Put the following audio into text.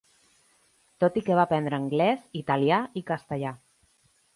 Tot i que va aprendre anglès, italià i castellà.